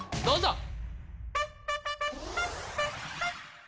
どうぞ！